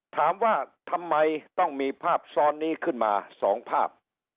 ถามว่าทำไมต้องมีภาพซ้อนนี้ขึ้นมา๒ภาพ